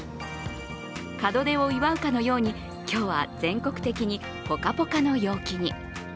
門出を祝うかのように今日は全国的にぽかぽかの陽気に。